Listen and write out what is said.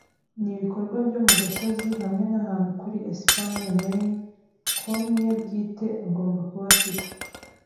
n'ibikorwa byo mu gasozi hamwe nahantu kuri Espanye Main. Konti ye bwite agomba kuba afite